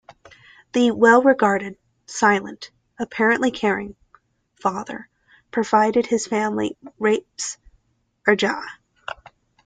The well regarded, silent, apparently caring, father providing for his family rapes Jin-a.